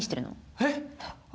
えっ？